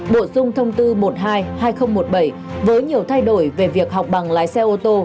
bổ sung thông tư một mươi hai hai nghìn một mươi bảy với nhiều thay đổi về việc học bằng lái xe ô tô